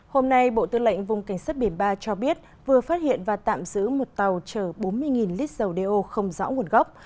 hôm nay bộ tư lệnh vùng cảnh sát biển ba cho biết vừa phát hiện và tạm giữ một tàu chở bốn mươi lít dầu đeo không rõ nguồn gốc